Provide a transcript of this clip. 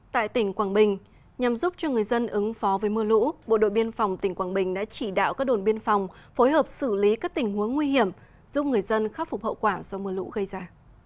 tại tỉnh quảng bình nhằm giúp cho người dân ứng phó với mưa lũ bộ đội biên phòng tỉnh quảng bình đã chỉ đạo các đồn biên phòng phối hợp xử lý các tình huống nguy hiểm giúp người dân khắc phục hậu quả do mưa lũ gây ra